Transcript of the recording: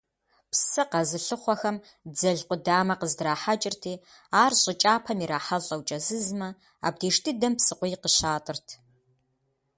Псы къэзылъыхъуэхэм дзэл къудамэ къыздрахьэкӀырти, ар щӀы кӀапэм ирахьэлӀэу кӀэзызмэ, абдеж дыдэм псыкъуий къыщатӀырт.